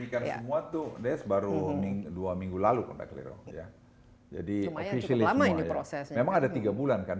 itu baru dua minggu lalu jadi officialnya ini prosesnya memang ada tiga bulan kan